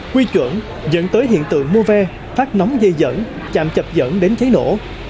quy chuẩn dẫn tới hiện tượng mô ve phát nóng dây dẫn chạm chạp dẫn đến cháy nổ